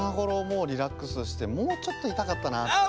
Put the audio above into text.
もうリラックスしてもうちょっといたかったなって。